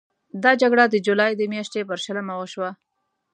دا جګړه د جولای د میاشتې پر شلمه وشوه.